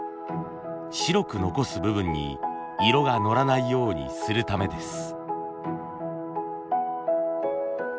白く残す部分に色がのらないようにするためです。